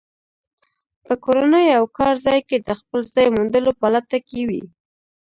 په کورنۍ او کارځای کې د خپل ځای موندلو په لټه کې وي.